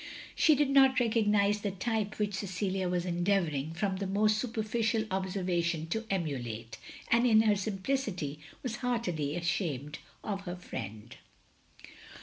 She did not recognise the type which Cecilia was endeavouring, from the most superficial observa tion, to emulate; and in her simplicity, was heartily ashamed of her friend.